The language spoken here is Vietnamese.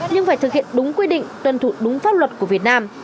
nhưng phải thực hiện đúng quy định tuân thủ đúng pháp luật của việt nam